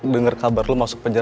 dengar kabar lo masuk penjara